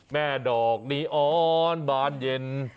แม่ดอกนีออนบานเย็น